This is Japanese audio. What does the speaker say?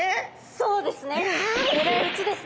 そうですね。